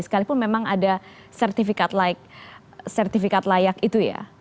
sekalipun memang ada sertifikat layak itu ya